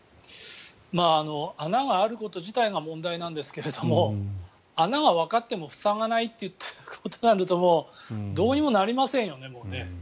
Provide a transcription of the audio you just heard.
穴があること自体が問題なんですけども穴はわかっても塞がないってことになるとどうもなりませんよね。